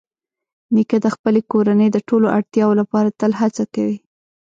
نیکه د خپلې کورنۍ د ټولو اړتیاوو لپاره تل هڅه کوي.